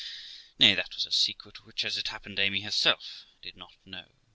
Nay, that was a secret which, as it happened, Amy herself did not know.